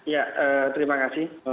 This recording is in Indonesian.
ya terima kasih